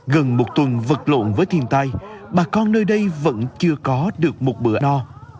gần một tuần vật lộn với thiên tai bà con nơi đây vẫn chưa có được một bữa no